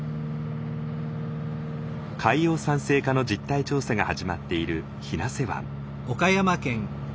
海洋酸性化の実態調査が始まっている日生湾。